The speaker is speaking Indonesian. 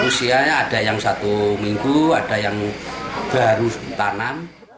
usianya ada yang satu minggu ada yang baru ditanam